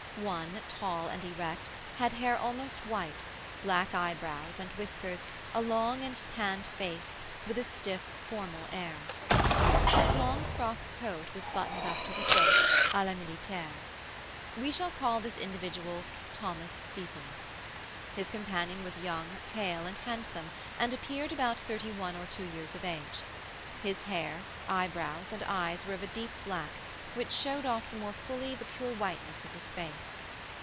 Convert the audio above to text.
One, tall and erect, had hair almost white, black eyebrows and whiskers, a long and tanned face, with a stiff, formal air. His long frock coat was buttoned up to the throat, à la militaire. We shall call this individual Thomas Seyton. His companion was young, pale, and handsome, and appeared about thirty one or two years of age. His hair, eyebrows, and eyes were of a deep black, which showed off the more fully the pure whiteness of his face.